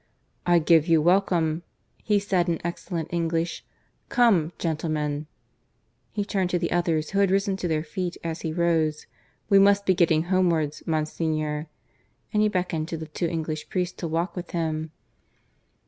"I give you welcome," he said in excellent English. "Come, gentlemen" (he turned to the others, who had risen to their feet as he rose), "we must be getting homewards. Monsignor!" (and he beckoned to the two English priests to walk with him.)